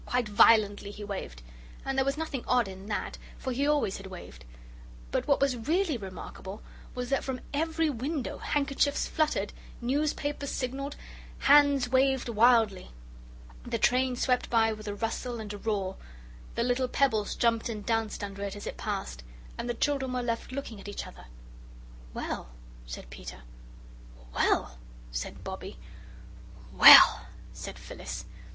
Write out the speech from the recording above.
Quite violently he waved. And there was nothing odd in that, for he always had waved. But what was really remarkable was that from every window handkerchiefs fluttered, newspapers signalled, hands waved wildly. The train swept by with a rustle and roar, the little pebbles jumped and danced under it as it passed, and the children were left looking at each other. "Well!" said Peter. "WELL!" said Bobbie. "WELL!" said Phyllis.